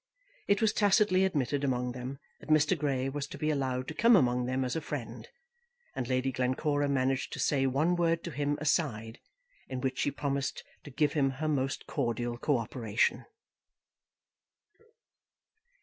It was tacitly admitted among them that Mr. Grey was to be allowed to come among them as a friend, and Lady Glencora managed to say one word to him aside, in which she promised to give him her most cordial cooperation.